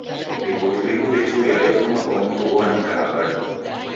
Ripoti rimu rechuria refuma kwa mndu oandika habari.